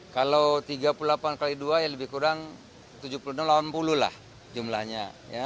kalau tiga puluh delapan kali dua ya lebih kurang tujuh puluh delapan puluh lah jumlahnya